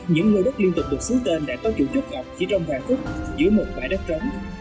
những lưu đất liên tục được xú tên đã có chủ trúc ọc chỉ trong vài phút giữa một bãi đất trống